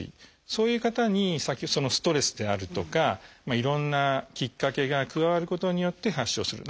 そういう方にストレスであるとかいろんなきっかけが加わることによって発症する。